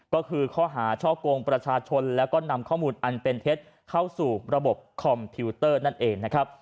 ก็คือข้อหาช่อกงประชาชนแล้วก็นำข้อมูลอันเป็นเท็จเข้าสู่ระบบคอมพิวเตอร์นั่นเองนะครับ